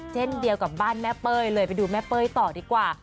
เช่นเดียวกับบ้านแม่เป้ยเลยไปดูแม่เป้ยต่อดีกว่า